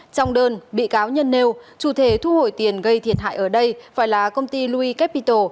trong đơn bị cáo nhân nêu chủ thể thu hồi tiền gây thiệt hại ở đây phải là công ty loui capital